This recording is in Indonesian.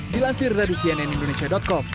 dilansir dari cnn indonesia com